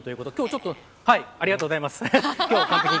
ありがとうございます。